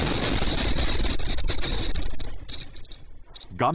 画面